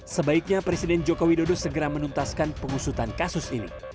sebaiknya presiden jokowi dodo segera menuntaskan pengusutan kasus ini